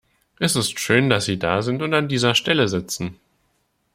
Es ist schön, dass Sie da sind und an dieser Stelle sitzen.